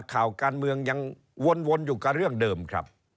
ข่าวการเมืองยังวนอยู่กับเรื่องเดิมครับ